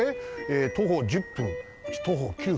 徒歩１０分徒歩９分。